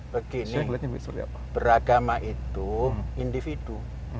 begini beragama itu individu